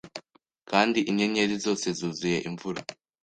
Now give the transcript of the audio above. Kandi inyenyeri zose zuzuye imvura